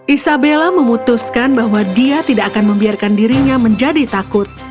isabella memutuskan bahwa dia tidak akan membiarkan dirinya menjadi takut